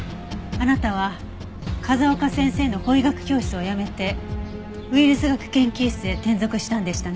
あなたは風丘先生の法医学教室を辞めてウイルス学研究室へ転属したんでしたね？